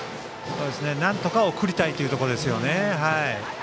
なんとか送りたいということですね。